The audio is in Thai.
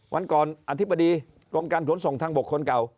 วันก่อนอธิบดีกรมการขนส่งทางบกคนเก่า